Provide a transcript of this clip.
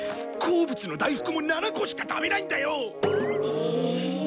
好物の大福も７個しか食べないんだよ！